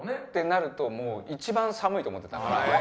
ってなると一番寒いと思ってたから。